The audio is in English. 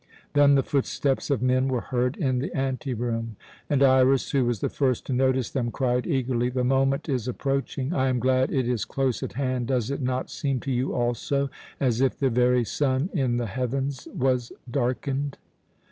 Then the footsteps of men were heard in the anteroom, and Iras, who was the first to notice them, cried eagerly: "The moment is approaching! I am glad it is close at hand. Does it not seem to you also as if the very sun in the heavens was darkened?"